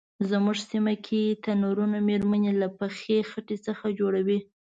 زمونږ سیمه کې تنرونه میرمنې له پخې خټې څخه جوړوي.